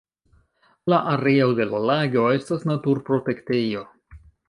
La areo de la lago estas naturprotektejo.